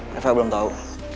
reva belum tau